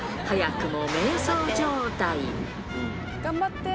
早くも迷走状態。